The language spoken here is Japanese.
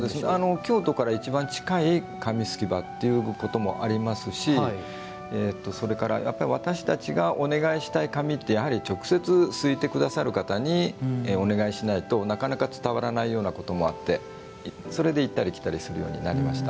京都から一番近い紙すき場っていうこともありますし、私たちがお願いしたい紙って直接、すいてくれる方にお願いしないとなかなか伝わらないこともあってそれで行ったり来たりするようになりました。